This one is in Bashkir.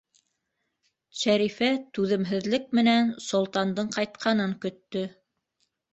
Шәрифә түҙемһеҙлек менән Солтандың ҡайтҡанын көттө.